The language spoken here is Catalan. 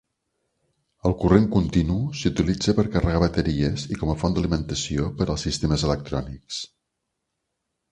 El corrent continu s'utilitza per carregar bateries i com a font d'alimentació per als sistemes electrònics.